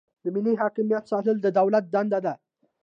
د ملي حاکمیت ساتل د دولت دنده ده.